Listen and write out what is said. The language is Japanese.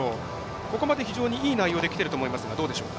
ここまで非常にいい内容できていると思いますがどうでしょうか。